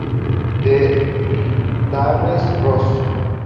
De "Darren Ross".